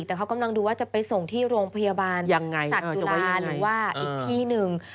แต่เขากำลังดูว่าจะไปส่งที่โรงพยาบาลสัตว์จุฬาหรือว่าอีกที่หนึ่ง